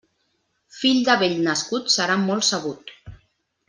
Fill de vell nascut serà molt sabut.